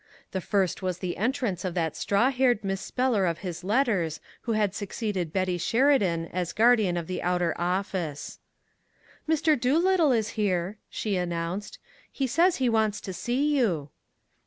The first was the entrance of that straw haired misspeller of his letters who had succeeded Betty Sheridan as guardian of the outer office. "Mr. Doolittle is here," she announced. "He says he wants to see you."